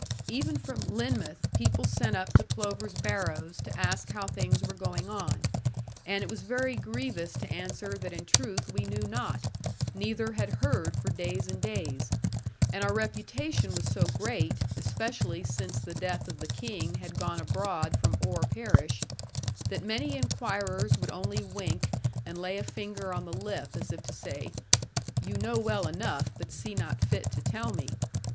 Even from Lynmouth, people sent up to Plover's Barrows to ask how things were going on: and it was very grievous to answer that in truth we knew not, neither had heard for days and days; and our reputation was so great, especially since the death of the King had gone abroad from Oare parish, that many inquirers would only wink, and lay a finger on the lip, as if to say, 'you know well enough, but see not fit to tell me.'